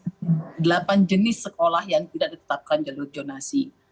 jadi ada delapan jenis sekolah yang tidak ditetapkan jalur zonasi